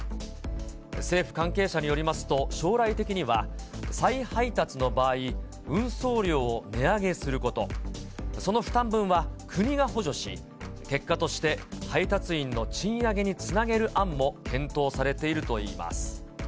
政府関係者によりますと、将来的には再配達の場合、運送料を値上げすること、その負担分は国が補助し、結果として配達員の賃上げにつなげる案も検討されているといいます。